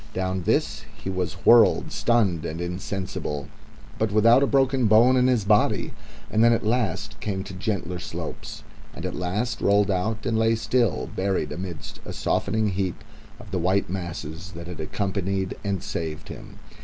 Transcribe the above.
Down this he was whirled, stunned and insensible, but without a bone broken in his body; and then at last came to gentler slopes, and at last rolled out and lay still, buried amidst a softening heap of the white masses that had accompanied and saved him.